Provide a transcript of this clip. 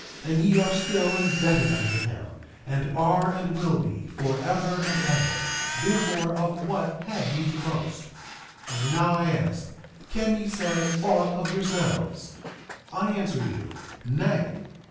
And ye are still indebted unto him, and are, and will be, forever and ever; therefore, of what have ye to boast? 2:25 And now I ask, can ye say aught of yourselves? I answer you, Nay.